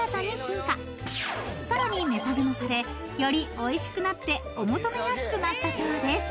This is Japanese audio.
［さらに値下げもされよりおいしくなってお求めやすくなったそうです］